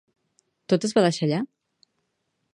Tot es va deixar allà?